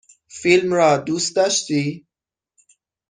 فیلم را دوست داشتی؟